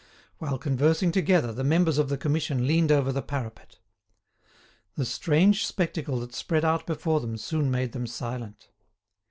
While conversing together the members of the Commission leaned over the parapet. The strange spectacle that spread out before them soon made them silent.